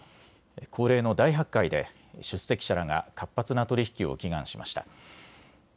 恒例の大発会で出席者らが活発な取り引きを祈願しました。